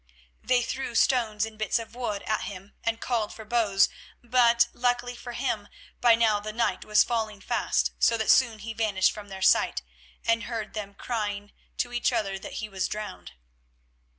They threw stones and bits of wood at him, and called for bows but, luckily for him, by now the night was falling fast, so that soon he vanished from their sight, and heard them crying to each other that he was drowned.